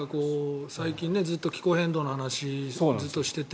最近、ずっと気候変動の話をずっとしていて。